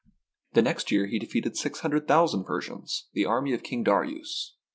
The next year he defeated six hundred thousand Persians, the army of King Darius.